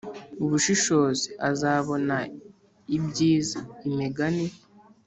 ubushishozi azabona ibyiza Imigani